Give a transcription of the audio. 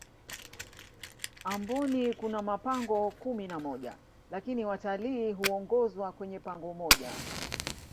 amboni Kuna mapango kumi na moja lakini watilii huongozwa kwenye pango moja